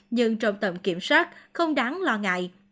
nhưng trong tầm kiểm soát không đáng lo ngại